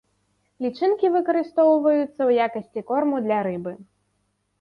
Лічынкі выкарыстоўваюцца ў якасці корму для рыбы.